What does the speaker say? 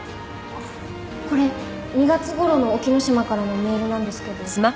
これ２月ごろの沖野島からのメールなんですけど。